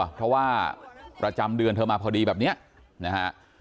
เพราะว่าประจำเดือนเธอมาพอดีแบบนี้นะฮะ